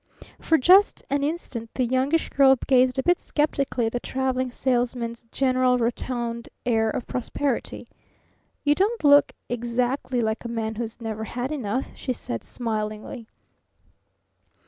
For just an instant the Youngish Girl gazed a bit skeptically at the Traveling Salesman's general rotund air of prosperity. "You don't look exactly like a man who's never had enough," she said smilingly.